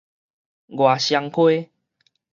外雙溪